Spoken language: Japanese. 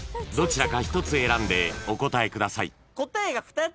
［どちらか１つ選んでお答えください］